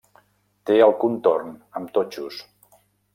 Té el contorn amb totxos.